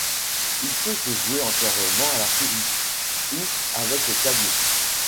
Il peut se jouer entièrement à la souris, ou avec le clavier.